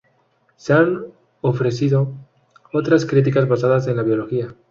Se han ofrecido otras críticas basadas en la biología.